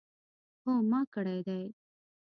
هو ما کړی دی